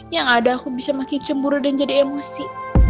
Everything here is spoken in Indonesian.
yang ada aku bisa makin cemburu dan jadi emosi